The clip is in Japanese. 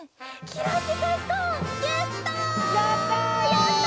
やった！